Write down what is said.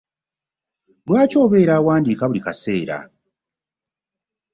Lwaki obeera owandiika buli kaseera?